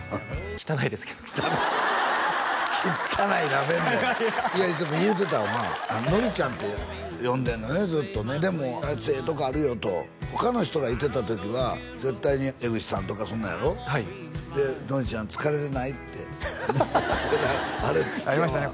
汚いですけど汚い汚いラベンダーいやでも言うてたんはのりちゃんって呼んでんのねずっとねでもあいつええとこあるよと他の人がいてた時は絶対に江口さんとかそんなんやろで「のりちゃん疲れてない？」ってありましたね